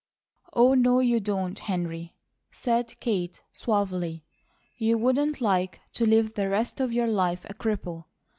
"Oh, no, you don't, Henry," said Kate, suavely. "You wouldn't like to live the rest of your life a cripple.